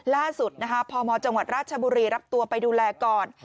ล่าสุดพมจังหวัดราชบุรีรับตัวไปดูแลก่อน